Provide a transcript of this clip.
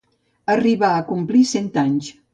Arribà a complir cent un anys.